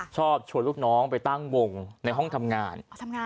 ชอบชวนลูกน้องไปตั้งวงในห้องทำงาน